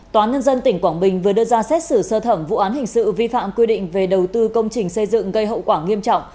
tòa nhân dân tỉnh quảng bình vừa đưa ra xét xử sơ thẩm vụ án hình sự vi phạm quy định về đầu tư công trình xây dựng gây hậu quả nghiêm trọng